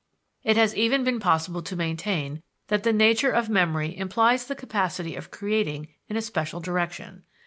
It has even been possible to maintain that the nature of memory implies the capacity of creating in a special direction.